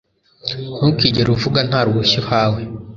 ntukigere uvuga nta ruhushya uhawe